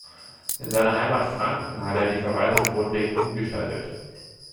In seiner Heimat Franken hat er die Verwaltung grundlegend umgestaltet.